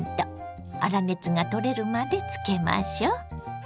粗熱がとれるまでつけましょう。